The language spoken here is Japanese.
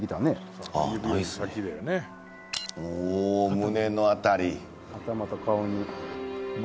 胸の辺り。